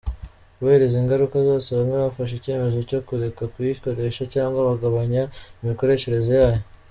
Kubera izi ngaruka zose, bamwe bafashe icyemezo cyo kureka kuyikoresha cyangwa bakagabanya imikoreshereze yayo.